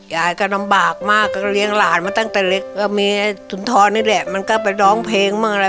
ยายก็ลำบากมากก็เลี้ยงหลานมาตั้งแต่เล็กก็เมียสุนทรนี่แหละมันก็ไปร้องเพลงบ้างอะไร